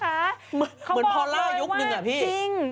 เขาบอกเลยว่าจริงเพียบเลยมิวมิถาค่ะเขาบอกเลยว่าจริง